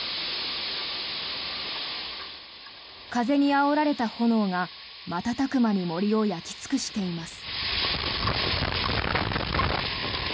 風にあおられた炎が瞬く間に森を焼き尽くしています。